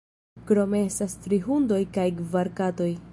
Krome estas tri hundoj kaj kvar katoj.